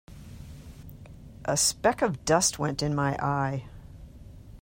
A spec of dust went in my eye.